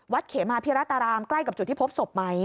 เขมาพิรัตรารามใกล้กับจุดที่พบศพไหม